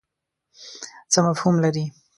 څه مفهوم لري.